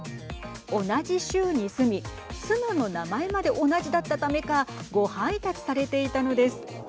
同じ州に住み妻の名前まで同じだったためか誤配達されていたのです。